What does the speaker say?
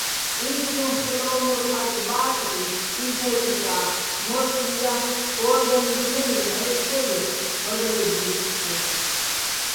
ინცლუჼ ხელო́ვნურ ყაჭ-ბა́წრი, სინთე́ტიკა́ მო́სსიჼ ჲა, ო́რგანიზმელეჼ ნჵაჲჸ ცო იხო̆, ბადრევ დუჲპტჩე.